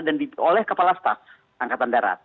dan oleh kepala staff angkatan darat